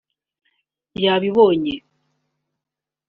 yabibonye